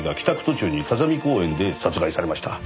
途中に風見公園で殺害されました。